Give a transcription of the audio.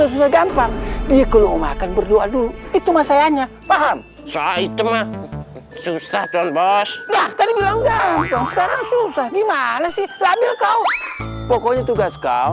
sudah gampang dia kalau makan berdoa dulu itu masyarakatnya paham saya itu mah susah dong bos